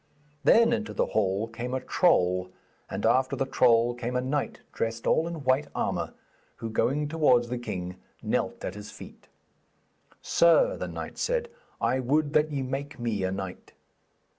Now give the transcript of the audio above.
Then into the hall came a troll, and after the troll came a knight dressed all in white armour, who, going towards the king, knelt at his feet. 'Sir,' the knight said, 'I would that ye make me a knight.'